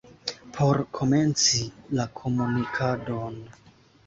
Por komenci la komunikadon.